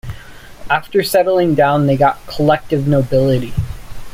After settling down they got collective nobility.